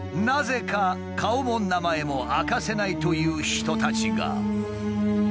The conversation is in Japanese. なぜか顔も名前も明かせないという人たちが。